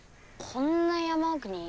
こんな山奥にお寺？